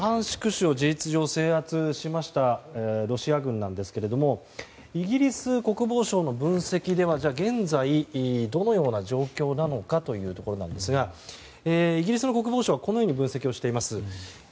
州を事実上制圧しましたロシア軍なんですがイギリス国防省の分析では現在、どのような状況なのかというとイギリスの国防省はこのように分析しています。